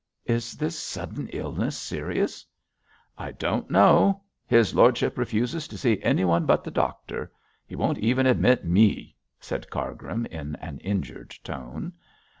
'Is this sudden illness serious?' 'I don't know. His lordship refuses to see anyone but the doctor. He won't even admit me,' said Cargrim, in an injured tone.